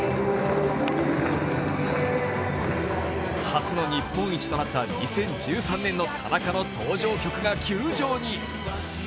初の日本一となった２０１３年の田中の登場曲が球場に。